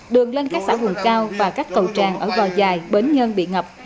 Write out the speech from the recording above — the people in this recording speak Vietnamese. đường lên các xã hùng cao và các cầu tràng ở vò dài bến nhân bị ngập